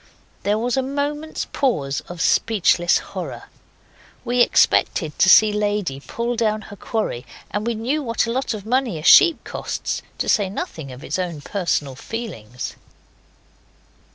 There was a moment's pause of speechless horror. We expected to see Lady pull down her quarry, and we know what a lot of money a sheep costs, to say nothing of its own personal feelings.